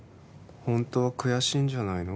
ほんとは悔しいんじゃないの？